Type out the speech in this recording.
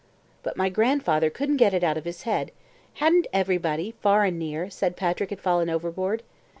But my grandfather couldn't get it out of his head; hadn't everybody, far and near, said Patrick had fallen overboard.